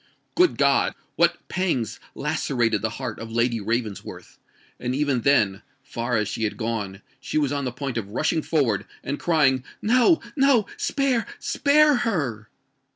Good God! what pangs lacerated the heart of Lady Ravensworth;—and even then—far as she had gone—she was on the point of rushing forward, and crying, "No! no!—spare—spare her!"